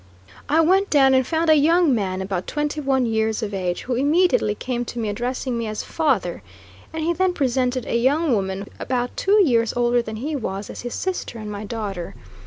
I went down and found a young man, about twenty one years of age, who immediately came to me addressing me as "father," and he then presented a young woman, about two years older than he was, as his sister and my daughter.